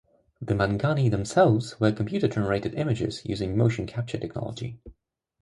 The "Mangani" themselves were computer-generated images using motion capture technology.